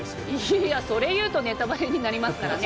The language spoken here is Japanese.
いやそれ言うとネタバレになりますからね。